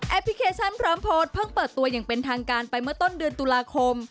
พลิเคชันพร้อมโพสต์เพิ่งเปิดตัวอย่างเป็นทางการไปเมื่อต้นเดือนตุลาคม